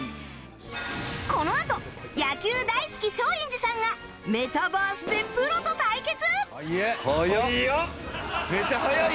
このあと野球大好き松陰寺さんがメタバースでプロと対決！？